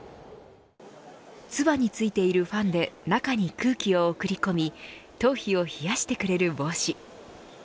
つばについているファンで中に空気を送り込み頭皮を冷やしてくれる帽子。